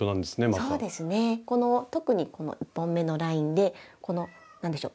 そうですね特にこの１本目のラインでこの何でしょう